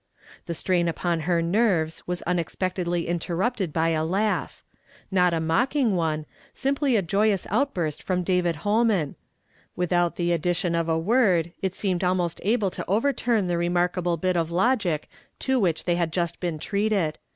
The strain upon her nerves was vuiexpectedly intin rupted by a laugh ; not a mocking one, sim[)ly a j<\vous outburst from David Ilolman. AVithout the addition of a word, it seemed almost able to overturn the remarkable bit of logic to which they had just b <;• treated.